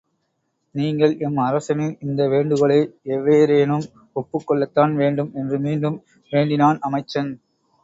நீங்கள் எம் அரசனின் இந்த வேண்டுகோளை எவ்வாறேனும் ஒப்புக் கொள்ளத்தான் வேண்டும் என்று மீண்டும் வேண்டினான் அமைச்சன்.